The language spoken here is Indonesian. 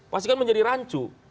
pastikan menjadi rancu